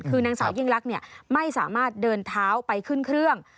คือนางสาวยิ่งลักษณ์ไม่สามารถเดินเท้าไปขึ้นเครื่อง